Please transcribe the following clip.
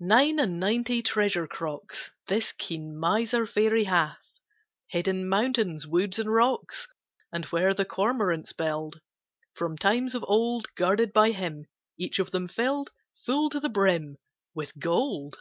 Nine and ninety treasure crocks This keen miser fairy hath, Hid in mountains, woods, and rocks, And where the cormorants build; From times of old Guarded by him; Each of them fill'd Full to the brim With gold!